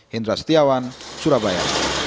hindra setiawan surabaya